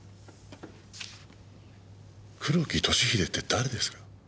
黒木俊英って誰ですか？